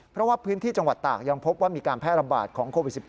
เพราะว่าพื้นที่จังหวัดตากยังพบว่ามีการแพร่ระบาดของโควิด๑๙